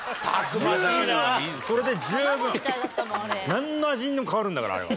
なんの味にでも変わるんだからあれは。